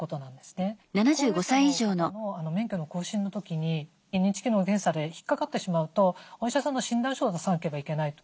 高齢者の方の免許の更新の時に認知機能の検査で引っかかってしまうとお医者さんの診断書を出さなければいけないと。